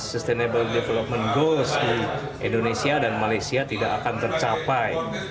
sustainable development goals di indonesia dan malaysia tidak akan tercapai